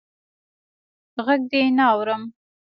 ږغ دي نه اورم.